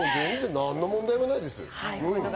何の問題もないです。